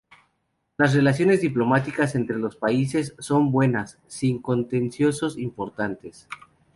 Las relaciones diplomáticas entre los dos países son buenas, sin contenciosos importantes.